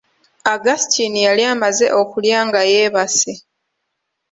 Augustine yali amaze okulya nga yeebase.